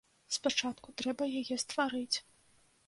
Спачатку трэба яе стварыць.